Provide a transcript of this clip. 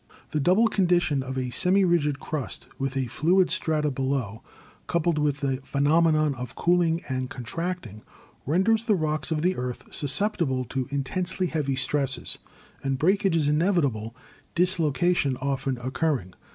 The double condition of a semi rigid crust with a fluid strata below, coupled with the phenomenon of cooling and contracting, renders the rocks of the earth susceptible to intensely heavy stresses, and breakage is inevitable, dislo cation often occurring.